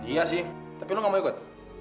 iya sih tapi lo gak mau ikut